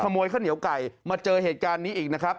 ขโมยข้าวเหนียวไก่มาเจอเหตุการณ์นี้อีกนะครับ